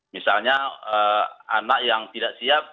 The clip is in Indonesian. misalnya anak yang tidak siap